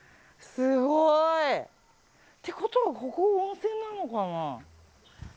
ってことは、ここは温泉なのかな。